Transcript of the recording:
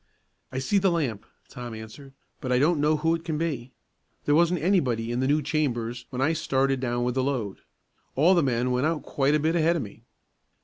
"I see the lamp," Tom answered, "but I don't know who it can be. There wasn't anybody in the new chambers w'en I started down with the load. All the men went out quite a bit ahead o' me."